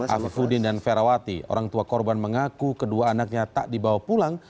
afudin dan ferawati orang tua korban mengaku kedua anaknya tak dibawa pulang